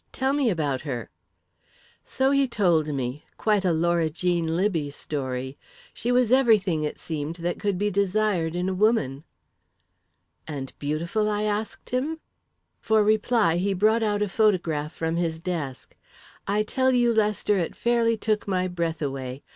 'Tell me about her.' "So he told me quite a Laura Jean Libbey story. She was everything, it seemed, that could be desired in a woman. "'And beautiful?' I asked him. "For reply, he brought out a photograph from his desk. I tell you, Lester, it fairly took my breath away.